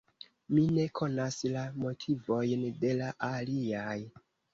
Mi ne konas la motivojn de la aliaj.